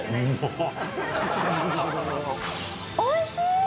おいしい！